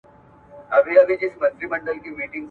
ولي هڅاند سړی د وړ کس په پرتله موخي ترلاسه کوي؟